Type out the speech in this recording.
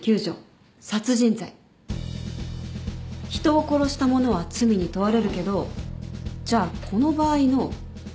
人を殺した者は罪に問われるけどじゃあこの場合の「人」って？